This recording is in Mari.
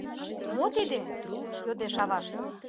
Мо тиде? — йодеш авашт.